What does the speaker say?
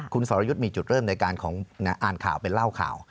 คุณสรยุทธ์มีจุดเริ่มในการอ่านข่าวเป็นเล่าข่าว